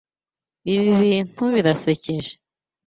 Ibi bintu birasekeje.